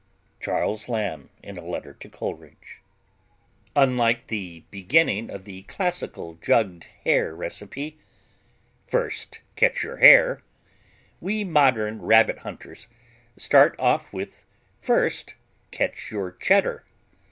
Charles Lamb, IN A LETTER TO COLERIDGE Unlike the beginning of the classical Jugged Hare recipe: "First catch your hare!" we modern Rabbit hunters start off with "First catch your Cheddar!"